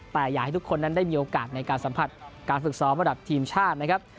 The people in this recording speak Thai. แต่อยากให้ทุกคนนั้นได้มีโอกาสในการสัมผัสการฝึกซ้อมระดับทีมชาตินะครับ